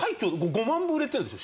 ５万部売れてるんですよ